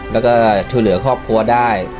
แล้วก็ช่วยเหลือครอบครัวได้